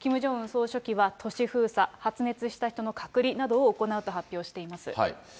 総書記は、都市封鎖、発熱した人の隔離などを行うと発表しています。